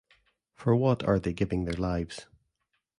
For what are they giving their lives?